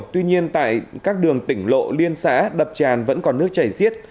tuy nhiên tại các đường tỉnh lộ liên xã đập tràn vẫn còn nước chảy xiết